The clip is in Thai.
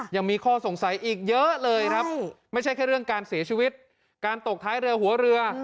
ยังมีข้อสงสัยอีกเยอะเลยครับไม่ใช่แค่เรื่องการเสียชีวิตการตกท้ายเรือหัวเรือ